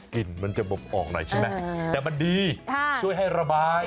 กลิ่นมันจะบบออกหน่อยใช่ไหมแต่มันดีช่วยให้ระบาย